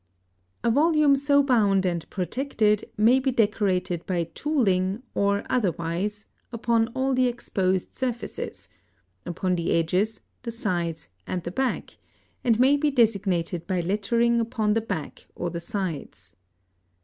A volume so bound and protected may be decorated by tooling or otherwise upon all the exposed surfaces (upon the edges, the sides, and the back) and may be designated by lettering upon the back or the sides.